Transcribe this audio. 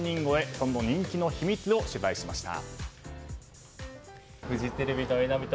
その人気の秘密を取材しました。